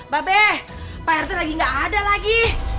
babe pak rt lagi gak ada lagi